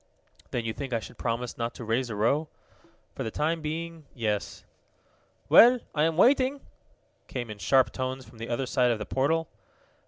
"Then you think I should promise not to raise a row?" "For the time being yes." "Well, I am waiting!" came in sharp tones from the other side of the portal.